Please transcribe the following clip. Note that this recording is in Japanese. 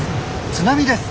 津波です！